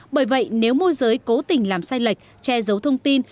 bởi vậy nếu môi giới cố tình làm sai lệch che giấu thông tin